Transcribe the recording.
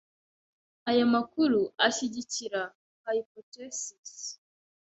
Aya makuru ashyigikira hypothesis.